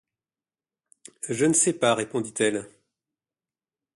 Je ne sais pas, répondit-elle.